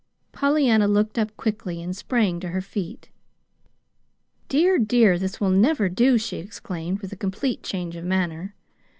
Pollyanna looked up quickly, and sprang to her feet. "Dear, dear, this will never do!" she exclaimed, with a complete change of manner.